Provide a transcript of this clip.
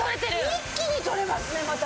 一気に取れますねまた。